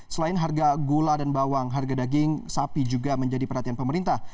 selain harga gula dan bawang harga daging sapi juga menjadi perhatian pemerintah